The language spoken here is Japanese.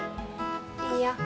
いいよ